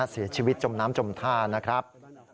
เสียชีวิตจมน้ำจมทานะครับ